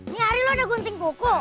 nih hari lo udah gunting kuku